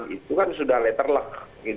itu kan sudah letter luck